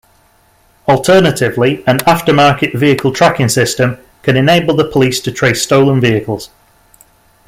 Alternatively, an aftermarket vehicle tracking system can enable the police to trace stolen vehicles.